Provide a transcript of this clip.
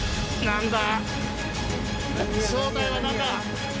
何だ？